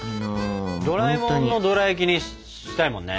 ドラえもんのドラやきにしたいもんね。